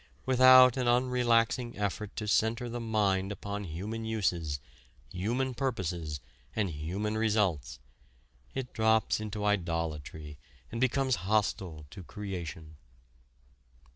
Without an unrelaxing effort to center the mind upon human uses, human purposes, and human results, it drops into idolatry and becomes hostile to creation.